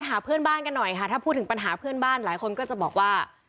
หาเพื่อนบ้านกันหน่อยค่ะถ้าพูดถึงปัญหาเพื่อนบ้านหลายคนก็จะบอกว่า